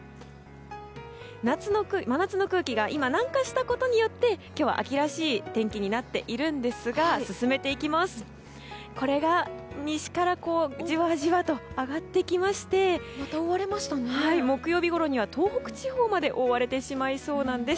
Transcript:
真夏の空気が南下したことによって今日は、秋らしい天気になっているんですが進めていきますと、西からじわじわと上がってきまして木曜日ごろには東北地方まで覆われてしまいそうです。